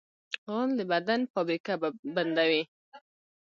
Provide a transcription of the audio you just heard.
غول د بدن فابریکه بندوي.